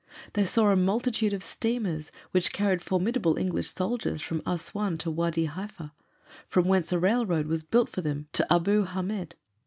They saw a multitude of steamers, which carried formidable English soldiers from Assuan to Wâdi Haifa, from whence a railroad was built for them to Abu Hâmed.